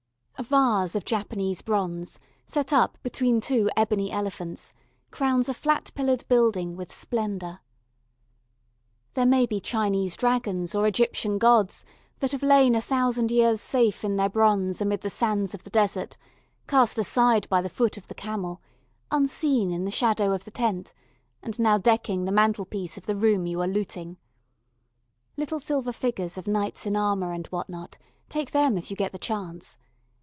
A vase of Japanese bronze set up between two ebony elephants crowns a flat pillared building with splendour. There may be Chinese dragons or Egyptian gods that have lain a thousand years safe in their bronze amid the sands of the desert, cast aside by the foot of the camel, unseen in the shadow of the tent, and now decking the mantelpiece of the room you are looting. Little silver figures of knights in armour and what not take them if you get the chance.